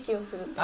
あ。